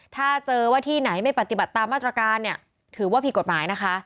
ถ้าเจอว่าที่ไหนไม่ปฏิบัติตามมาตรการเนี่ยถือว่าผิดกฎหมายนะคะ